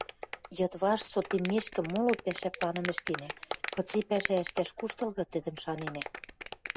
Йыдвашт, сотеммешкӹ моло, пӓшӓ планым ӹштенӓ, кыце пӓшӓ ӹштӓш куштылгы, тӹдӹм шаненӓ.